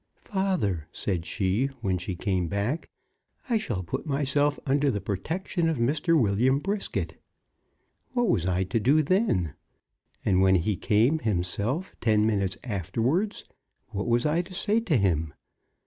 "'Father,' said she when she came back, 'I shall put myself under the protection of Mr. William Brisket.' What was I to do then? And when he came himself, ten minutes afterwards, what was I to say to him?